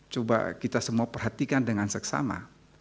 coba kita semua perhatikan dengan seksama